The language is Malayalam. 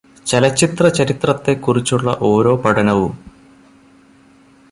ചലച്ചിത്ര ചരിത്രത്തെ കുറിച്ചുള്ള ഓരോ പഠനവും